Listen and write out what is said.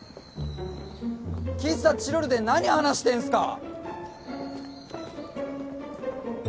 喫茶チロルで何話してんすか。